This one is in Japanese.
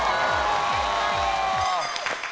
正解です。